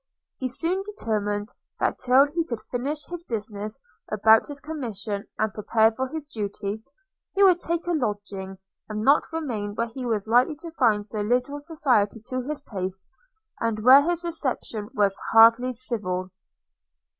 He soon determined, that till he could finish his business about his commission, and prepare for his duty, he would take a lodging, and not remain where he was likely to find so little society to his taste, and where his reception was hardly civil.